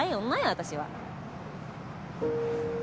私は。